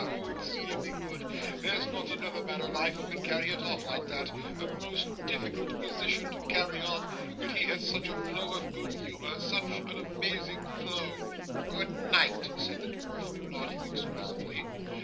Oh exceedingly good! There's not another man alive who could carry it off like that. A most difficult position to carry off. But he has such a flow of good humour, such an amazing flow!' 'Good night,' said the dwarf, nodding expressively.